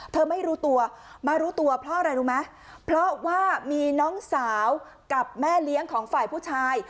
ไม่รู้ตัวมารู้ตัวเพราะอะไรรู้ไหมเพราะว่ามีน้องสาวกับแม่เลี้ยงของฝ่ายผู้ชาย